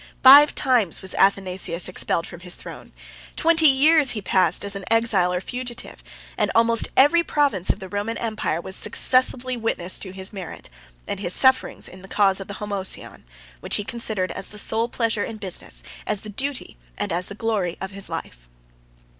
Five times was Athanasius expelled from his throne; twenty years he passed as an exile or a fugitive: and almost every province of the Roman empire was successively witness to his merit, and his sufferings in the cause of the Homoousion, which he considered as the sole pleasure and business, as the duty, and as the glory of his life.